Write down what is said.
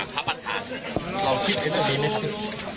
พระปัชฌาเราคิดเป็นตัวนี้ไหมครับ